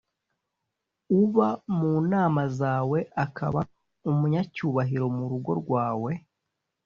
uba mu nama zawe akaba umunyacyubahiro mu rugo rwawe?